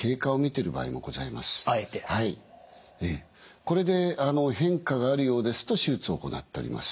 これで変化があるようですと手術を行っております。